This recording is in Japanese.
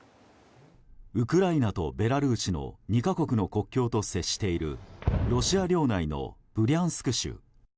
ウクライナとベラルーシの２か国の国境と接しているロシア領内のブリャンスク州。